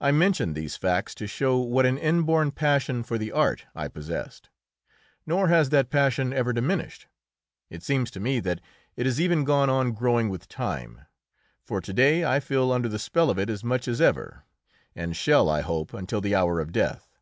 I mention these facts to show what an inborn passion for the art I possessed. Nor has that passion ever diminished; it seems to me that it has even gone on growing with time, for to day I feel under the spell of it as much as ever, and shall, I hope, until the hour of death.